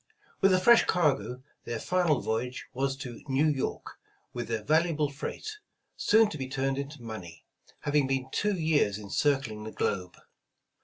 With a fresh cargo, their final voyage was to New York, with their valuable freight, soon to be turned into money, having been two years in circling the globe.